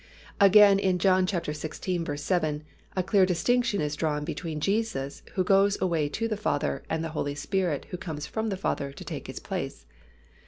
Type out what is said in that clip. Again in John xvi. 7, a clear distinction is drawn between Jesus who goes away to the Father and the Holy Spirit who comes from the Father to take His place.